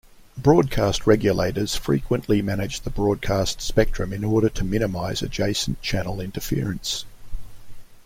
Broadcast regulators frequently manage the broadcast spectrum in order to minimize adjacent-channel interference.